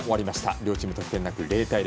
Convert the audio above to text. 両チーム得点なく０対０。